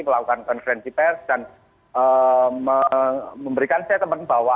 melakukan konserensi pers dan memberikan setemen bahwa